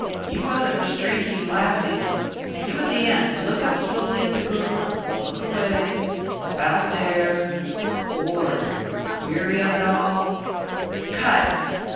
You others, drinking, laughing. You at the end, look up slowly at the girl, look away about there bored, weary of it all cut!